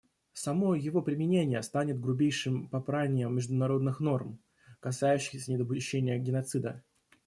Само его применение станет грубейшим попранием международных норм, касающихся недопущения геноцида.